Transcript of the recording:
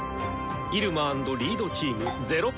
入間＆リードチーム０Ｐ。